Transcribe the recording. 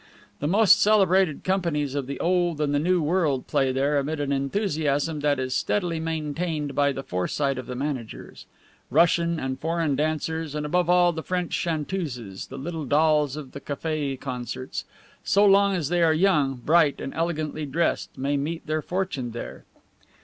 The most celebrated companies of the old and the new world play there amid an enthusiasm that is steadily maintained by the foresight of the managers: Russian and foreign dancers, and above all the French chanteuses, the little dolls of the cafes concerts, so long as they are young, bright, and elegantly dressed, may meet their fortune there.